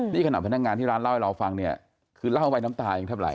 นี่ขณะพนักงานที่ร้านเล่าให้เราฟังเนี่ยคือเล่าไว้น้ำตายังเท่าไห